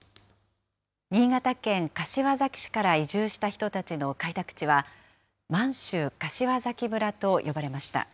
新潟県柏崎市から移住した人たちの開拓地は、満州柏崎村と呼ばれました。